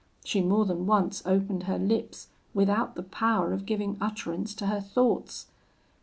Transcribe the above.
She more than once opened her lips without the power of giving utterance to her thoughts.